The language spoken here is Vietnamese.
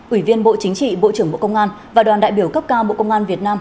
ủy viên bộ chính trị bộ trưởng bộ công an và đoàn đại biểu cấp cao bộ công an việt nam